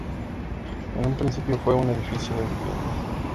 En un principio fue un edificio de viviendas.